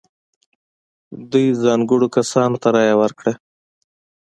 دوی ځانګړو کسانو ته رایه ورکړه.